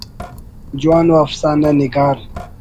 جوان ءُ افسانہ نگار